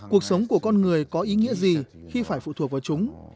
cuộc sống của con người có ý nghĩa gì khi phải phụ thuộc vào chúng